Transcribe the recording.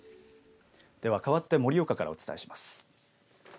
では、かわって盛岡からお伝えします。